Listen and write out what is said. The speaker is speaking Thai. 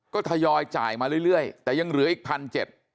ก็ทยอยจ่ายมาเรื่อยแต่ยังเหลืออีกพันเจ็ด